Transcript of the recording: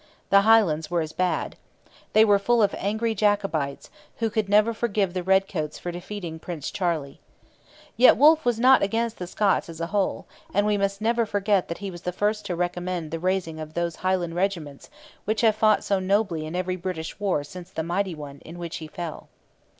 The Highlands were as bad. They were full of angry Jacobites, who could never forgive the redcoats for defeating Prince Charlie. Yet Wolfe was not against the Scots as a whole; and we must never forget that he was the first to recommend the raising of those Highland regiments which have fought so nobly in every British war since the mighty one in which he fell.